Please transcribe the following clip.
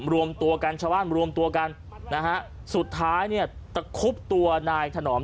รวมตัวกันชาวบ้านรวมตัวกันนะฮะสุดท้ายเนี่ยตะคุบตัวนายถนอม